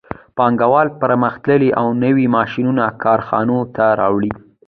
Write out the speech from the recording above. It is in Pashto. پانګوال پرمختللي او نوي ماشینونه کارخانو ته راوړي